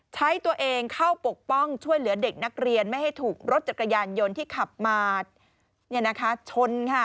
ใช้ตัวเองเข้าปกป้องช่วยเหลือเด็กนักเรียนไม่ให้ถูกรถจักรยานยนต์ที่ขับมาชนค่ะ